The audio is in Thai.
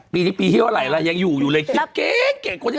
ปีนี้ปีเที่ยวอะไรล่ะยังอยู่อยู่เลยคลิปเก่ง